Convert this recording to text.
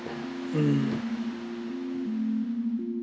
うん。